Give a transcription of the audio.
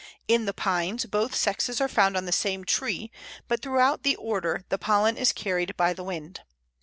In the Pines both sexes are found on the same tree; but throughout the order the pollen is carried by the wind.